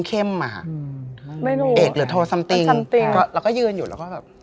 ไม่รู้แอดหรือโทสัมติงเราก็ยืนอยู่แล้วก็แบบ